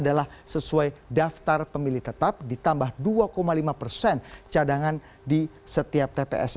adalah sesuai daftar pemilih tetap ditambah dua lima persen cadangan di setiap tps